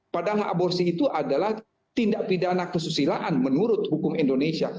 padahal aborsi itu adalah tindak pidana kesusilaan menurut hukum indonesia